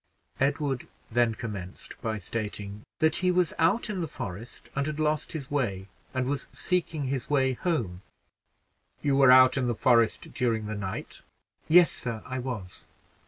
Edward then commenced by stating, "that he was out in the forest and had lost his way, and was seeking a path home." "You were out in the forest during the night? "Yes, sir, I was."